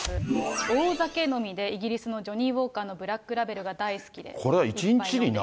大酒飲みで、イギリスのジョニーウォーカーのブラックラベルが大好きで。